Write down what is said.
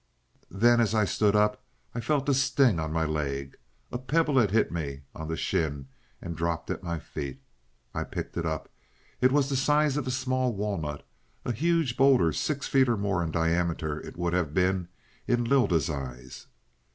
"Then as I stood up, I felt a sting on my leg. A pebble had hit me on the shin and dropped at my feet. I picked it up. It was the size of a small walnut a huge bowlder six feet or more in diameter it would have been in Lylda's eyes.